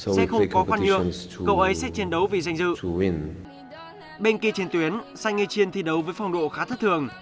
sang ye chien thi đấu với phong độ khá thất thường